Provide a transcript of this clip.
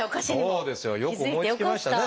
そうですよよく思いつきましたね